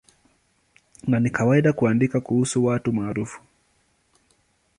Na ni kawaida kuandika kuhusu watu maarufu.